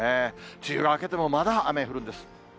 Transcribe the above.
梅雨が明けても、まだ雨降るんです。